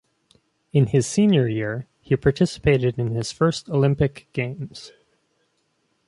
In his senior year, he participated in his first Olympic Games.